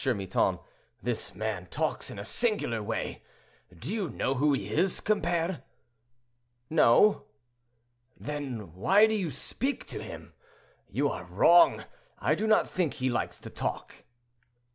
Miton; "this man talks in a singular way. Do you know who he is, compere?" "No." "Then why do you speak to him? You are wrong. I do not think he likes to talk."